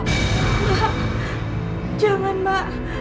mbak jangan mbak